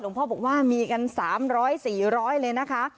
หลวงพ่อบอกว่ามีกันสามร้อยสี่ร้อยเลยนะคะ